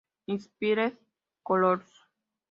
Inspired Colors